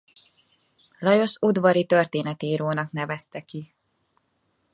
Lajos udvari történetírónak nevezte ki.